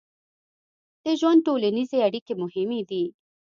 د ژوند ټولنیزې اړیکې مهمې دي.